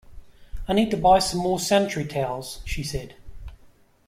I need to buy some more sanitary towels, she said